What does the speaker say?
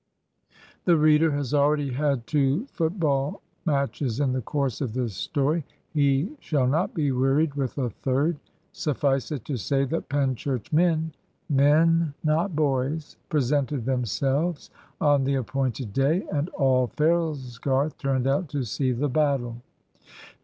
The reader has already had two football matches in the course of this story. He shall not be wearied with a third. Suffice it to say the Penchurch men men, not boys presented themselves on the appointed day, and all Fellsgarth turned out to see the battle.